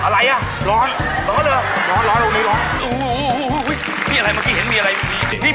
ร้อนด้วยเฮ้ยจริง